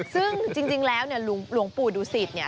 ซึ่งจริงแล้วเนี่ยหลวงปู่ดูสิตเนี่ย